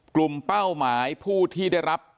เป้าหมายผู้ที่ได้รับ